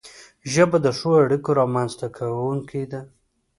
ژبه د ښو اړیکو رامنځته کونکی ده